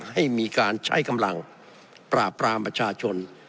ให้มีการใช้กำลังปราบปรามประชาชน